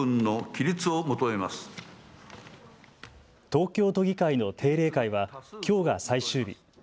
東京都議会の定例会はきょうが最終日。